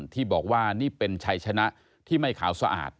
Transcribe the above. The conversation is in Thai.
ที่บอกว่านี่เป็นชัยชนะที่ไม่ขาวสะอาด